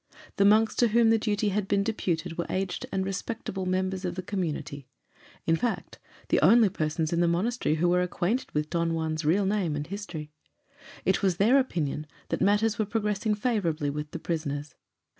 The monks to whom the duty had been deputed were aged and respectable members of the community; in fact, the only persons in the monastery who were acquainted with Don Juan's real name and history. It was their opinion that matters were progressing favourably with the prisoners.